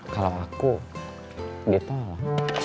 kalau aku ditolak